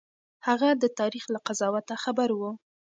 هغه د تاريخ له قضاوت خبر و.